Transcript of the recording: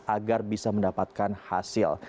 agar bisa mendapatkan hasil